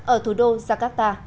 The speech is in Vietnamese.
ở thủ đô jakarta